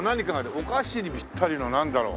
お菓子にピッタリのなんだろう？